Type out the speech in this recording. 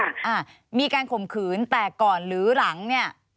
อ่ามีการข่มขืนแต่ก่อนหรือหลังเนี่ย